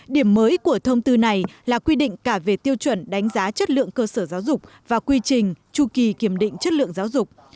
điểm mới của thông tư này là quy định cả về tiêu chuẩn đánh giá chất lượng cơ sở giáo dục và quy trình tru kỳ kiểm định chất lượng giáo dục